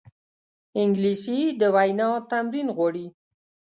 انګلیسي د وینا تمرین غواړي